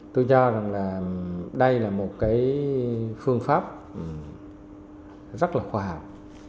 tôi cho rằng là đây là một cái phương pháp rất là khoa học